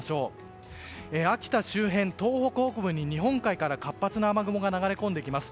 秋田周辺、東北北部に日本海から活発な雨雲が流れ込んできます。